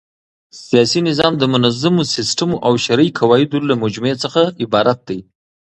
سیاسي نظام د منظمو سيسټمو او شرعي قواعدو له مجموعې څخه عبارت دئ.